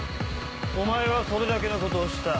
お前はそれだけのことをした。